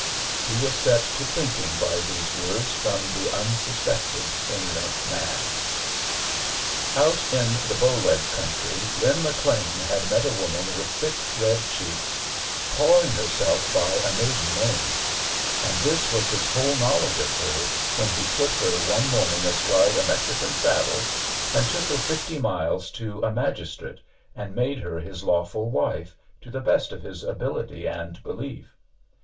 He was set to thinking by these words from the unsuspected inner man. Out in the Bow Leg country Lin McLean had met a woman with thick, red cheeks, calling herself by a maiden name; and this wa8 his whole knowledge of her when he put her one morning astride a Mexican saddle and took her fifty miles to a mag istrate and made her his lawful wife to the best of fiis ability and belief.